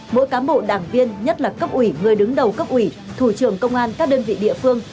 mỗi cán bộ đảng viên nhất là cấp ủy người đứng đầu cấp ủy thủ trưởng công an các đơn vị địa phương